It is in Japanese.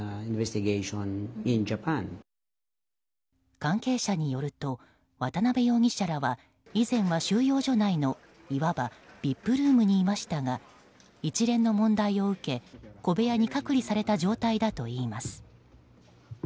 関係者によると渡辺容疑者らは以前は収容所内のいわばＶＩＰルームにいましたが一連の問題を受け、小部屋に隔離された状態だといいます。